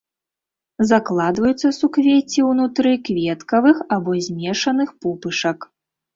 Закладваюцца суквецці ўнутры кветкавых або змешаных пупышак.